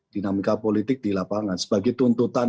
dinamika politik di lapangan sebagai tuntutan